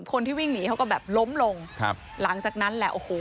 คนที่วิ่งหนีเขาก็แบบล้มลงครับหลังจากนั้นแหละโอ้โห